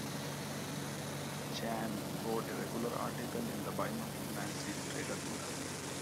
Chan wrote a regular article in the bi-monthly magazine "Trader Monthly".